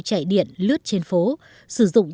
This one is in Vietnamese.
chạy điện lướt trên phố sử dụng